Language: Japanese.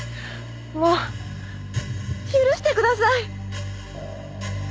もう許してください！